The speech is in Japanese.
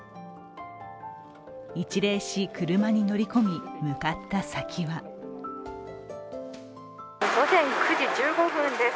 一礼し、車に乗り込み、向かった先は午前９時１５分です。